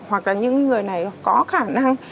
hoặc là những người này có khả năng